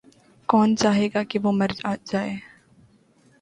کون چاہے گا کہ وہ مر جاَئے۔